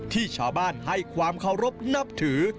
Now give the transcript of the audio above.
ที่ชาวบ้านให้ความเคารพนับถือ